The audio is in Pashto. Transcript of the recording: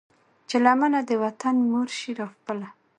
چې لمنه د وطن مور شي را خپله